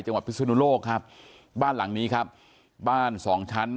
พิศนุโลกครับบ้านหลังนี้ครับบ้านสองชั้น